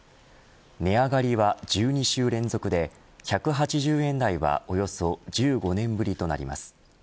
値上がりは１２週連続で１８０円台はおよそ１５年ぶりとなります。